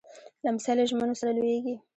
لمسی له ژمنو سره لویېږي.